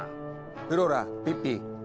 フローラピッピ。